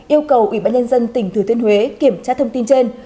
yêu cầu ủy ban nhân dân tỉnh thừa thiên huế kiểm tra thông tin trên